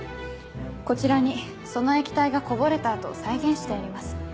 こちらにその液体がこぼれた跡を再現してあります。